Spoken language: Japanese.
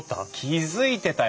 気付いてたよ。